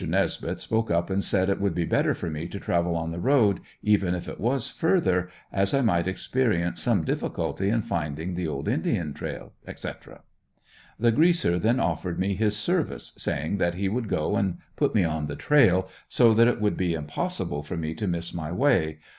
Nesbeth spoke up and said it would be better for me to travel on the road, even if it was further, as I might experience some difficulty in finding the old Indian trail, etc. The "Greaser" then offered me his service, saying that he would go and put me on the trail so that it would be impossible for me to miss my way.